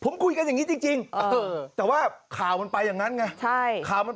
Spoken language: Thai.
มันลอยเท้าผมเองครับ